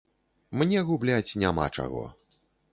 Мне губляць няма чаго.